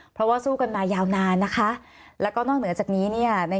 เพราะว่าสู้กันมายาวนานนะคะแล้วก็นอกเหนือจากนี้เนี่ยใน